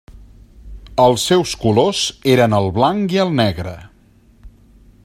Els seus colors eren el blanc i el negre.